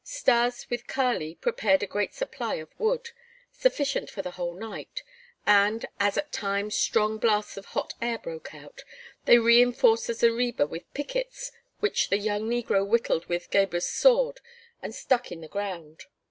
Stas, with Kali, prepared a great supply of wood, sufficient for the whole night, and, as at times strong blasts of hot air broke out, they reinforced the zareba with pickets which the young negro whittled with Gebhr's sword and stuck in the ground.